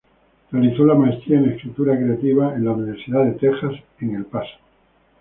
Realizó la maestría en Escritura Creativa en la Universidad de Texas en El Paso.